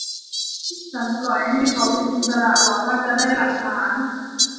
ฉันปล่อยให้เขาเป็นอิสระหวังว่าจะได้หลักฐาน